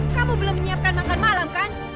kamu belum menyiapkan makan malam kan